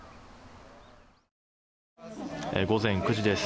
午前９時です。